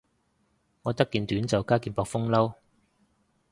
我得件短袖加件薄風褸